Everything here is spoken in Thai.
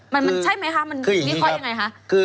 มันใช่ไหมคะมันมีความยังไงคะ